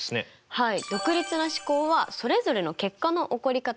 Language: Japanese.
はい。